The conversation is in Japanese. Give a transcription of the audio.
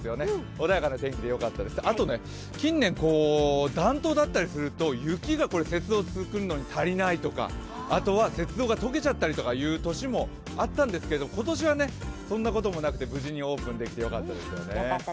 穏やかな天気でよかったです、近年、暖冬だったりすると、雪が雪像を作るのに足りないとかあとは雪像が解けちゃったりする年もあったんですけれどもそんなこともなくて無事にオープンできてよかったです。